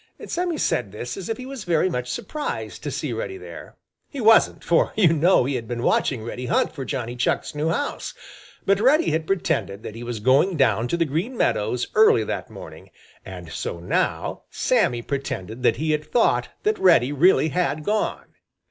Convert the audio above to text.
Sammy said this as if he was very much surprised to see Reddy there. He wasn't, for you know he had been watching Reddy hunt for Johnny Chuck's new house, but Reddy had pretended that he was going down to the Green Meadows early that morning, and so now Sammy pretended that he had thought that Reddy really had gone.